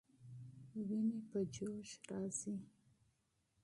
ويني په جوش راځي.